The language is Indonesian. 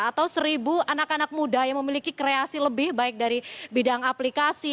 atau seribu anak anak muda yang memiliki kreasi lebih baik dari bidang aplikasi